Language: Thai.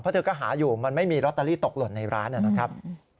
เพราะเธอก็หาอยู่มันไม่มีลอตเตอรี่ตกหล่นในร้านนะครับ